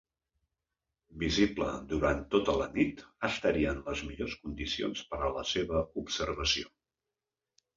Visible durant tota la nit, estaria en les millors condicions per a la seva observació.